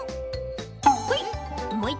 ほい。